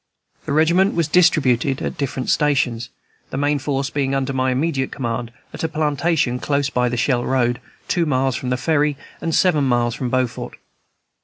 The regiment was distributed at different stations, the main force being under my immediate command, at a plantation close by the Shell Road, two miles from the ferry, and seven miles from Beaufort.